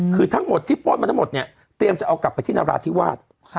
คือทั้งหมดที่ป้นมาทั้งหมดเนี่ยเตรียมจะเอากลับไปที่นราธิวาส